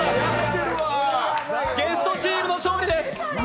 ゲストチームの勝利です！